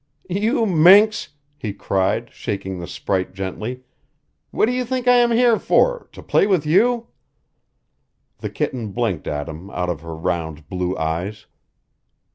"You minx!" he cried, shaking the sprite gently. "What do you think I am here for to play with you?" The kitten blinked at him out of her round blue eyes.